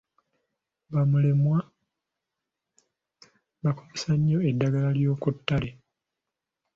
Bamulerwa bakozesa nnyo eddagala lyokuttale.